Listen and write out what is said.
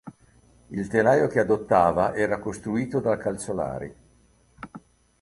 Il telaio che adottava era costruito dalla Calzolari.